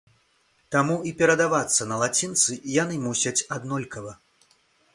Таму і перадавацца на лацінцы яны мусяць аднолькава.